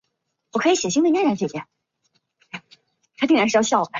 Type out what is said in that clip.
其他的避孕方式不一定可以预防性病传播。